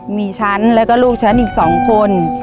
มีฉันแล้วก็ลูกฉันอีก๒คน